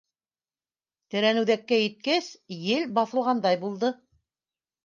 Тәрән үҙәккә еткәс, ел баҫылғандай булды.